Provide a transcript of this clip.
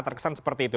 terkesan seperti itu